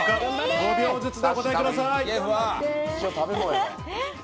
５秒ずつでお答えください。